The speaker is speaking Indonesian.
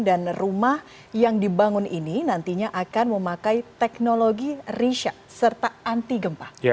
dan rumah yang dibangun ini nantinya akan memakai teknologi risa serta anti gempa